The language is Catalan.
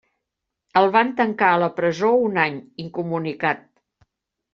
El van tancar a la presó un any, incomunicat.